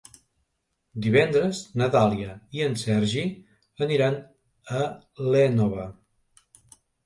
Divendres na Dàlia i en Sergi aniran a l'Énova.